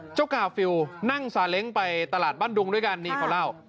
กาฟิลนั่งซาเล้งไปตลาดบ้านดุงด้วยกันนี่เขาเล่า